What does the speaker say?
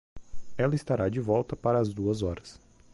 Ela estará de volta para as duas horas.